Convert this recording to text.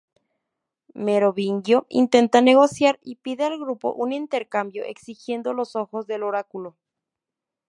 Merovingio intenta negociar y pide al grupo un intercambio, exigiendo los ojos del Oráculo.